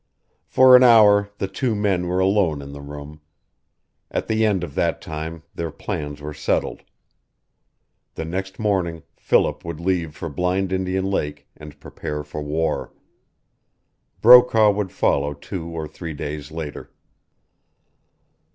For an hour the two men were alone in the room. At the end of that time their plans were settled. The next morning Philip would leave for Blind Indian Lake and prepare for war. Brokaw would follow two or three days later.